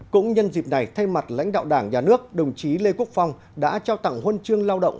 cũng nhân dịp này thay mặt lãnh đạo đảng nhà nước đồng chí lê quốc phong đã trao tặng huân chương lao động